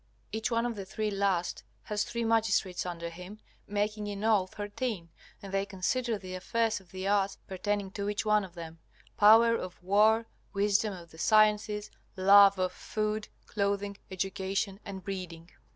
Each one of the three last has three magistrates under him, making in all thirteen, and they consider the affairs of the arts pertaining to each one of them: Power, of war; Wisdom, of the sciences; Love, of food, clothing, education, and breeding.